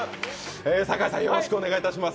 堺さん、よろしくお願いします。